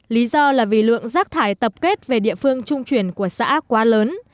lý do là vì lượng giác thải tập kết về địa phương trung truyền của xã quá lớn